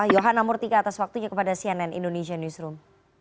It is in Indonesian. yohana murtika atas waktunya kepada cnn indonesia newsroom